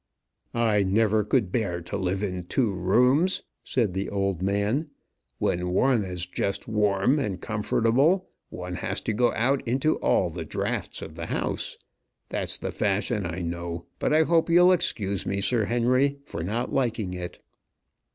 "I never could bear to live in two rooms," said the old man. "When one is just warm and comfortable, one has to go out into all the draughts of the house. That's the fashion, I know. But I hope you'll excuse me, Sir Henry, for not liking it."